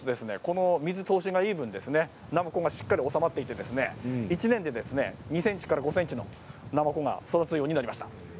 水通しがいい分、なまこがしっかり収まっていて１年で２ｃｍから５ｃｍのなまこが育つようになりました。